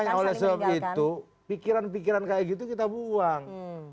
oleh sebab itu pikiran pikiran kayak gitu kita buang